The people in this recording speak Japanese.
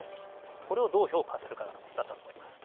これをどう評価するかだったと思います。